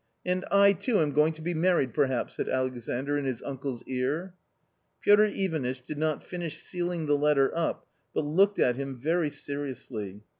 *J l " And I too am going to be married perhaps !" said ^Alexandr in his uncle's ear. Piotr Ivanitch did not finish sealing the letter up but looked at him very seriously.